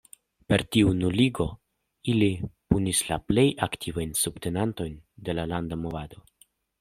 Per tiu nuligo, ili punis la plej aktivajn subtenantojn de la landa movado.